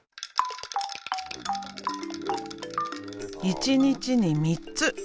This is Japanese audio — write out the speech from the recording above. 一日に３つ。